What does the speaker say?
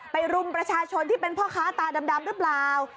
รุมประชาชนที่เป็นพ่อค้าตาดำหรือเปล่า